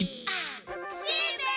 しんべヱ！